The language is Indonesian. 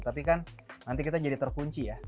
tapi kan nanti kita jadi terkunci ya